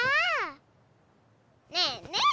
ねえねえ！